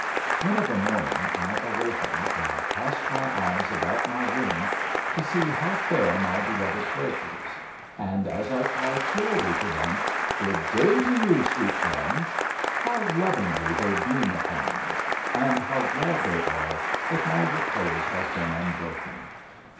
When of a morning I awaken I cast my eyes about my room to see how fare my beloved treasures, and as I cry cheerily to them, "Good day to you, sweet friends!" how lovingly they beam upon me, and how glad they are that my repose has been unbroken.